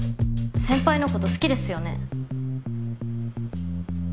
先輩のこと好きですよね？